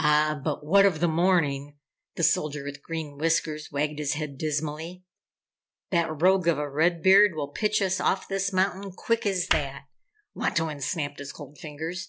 "Ah but what of the morning?" The Soldier with Green Whiskers wagged his head, dismally. "That rogue of a Red Beard will pitch us off this mountain quick as that!" Wantowin snapped his cold fingers.